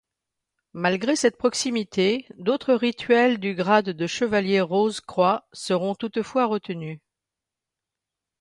Malgré cette proximité, d'autres rituels du grade de Chevalier Rose-croix seront toutefois retenus.